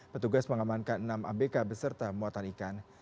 petugas mengamankan enam abk beserta muatan ikan